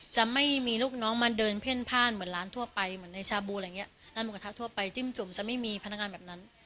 จะไม่มีลูกน้องมาเดินเพ่นพ่านเหมือนร้านทั่วไปเหมือนในชาบูอะไรอย่างเงี้ยร้านหมูกระทะทั่วไปจิ้มจุ่มจะไม่มีพนักงานแบบนั้น